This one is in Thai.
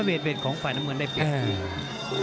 เวทด้วยพลาดไฟน้ำมือได้เปลี่ยน